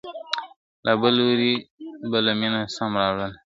له بل لوري بله مینه سم راوړلای ..